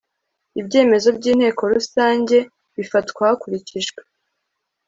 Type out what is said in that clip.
ibyemezo by inteko rusange bifatwa hakurikijwe